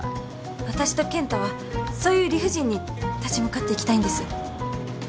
私と健太はそういう理不尽に立ち向かっていきたいんです。